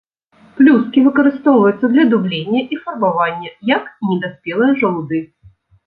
Плюскі выкарыстоўваюцца для дублення і фарбавання, як і недаспелыя жалуды.